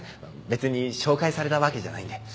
別に紹介されたわけじゃないんで。